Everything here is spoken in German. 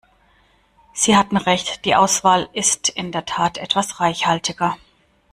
Sie hatten recht, die Auswahl ist in der Tat etwas reichhaltiger.